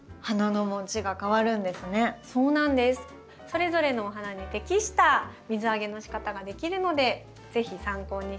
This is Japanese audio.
それぞれのお花に適した水あげのしかたができるので是非参考にしてみて下さい。